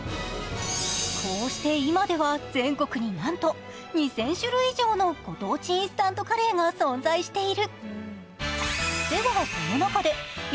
こうして今では全国になんと２０００種類以上のご当地インスタントカレーが存在している。